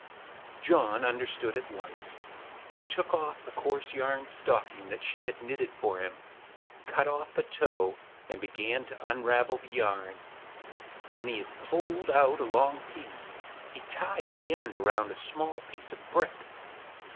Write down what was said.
John understood at once. He took off the coarse yarn stocking that she had knitted for him, cut off the toe, and began to unravel the yarn. When he had pulled out a long piece, he tied the end around a small piece of brick.